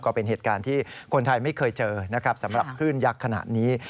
ก็เป็นเหตุการณ์ที่คนไทยไม่เคยเจอนะครับสำหรับคลื่นยักษ์ขนาดนี้